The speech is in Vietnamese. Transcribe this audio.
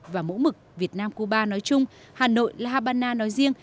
và mẫu mực việt nam cuba nói chung hà nội la habana nói riêng